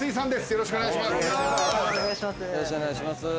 よろしくお願いします。